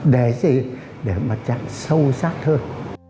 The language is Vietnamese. để gì để mặt trận sâu sắc hơn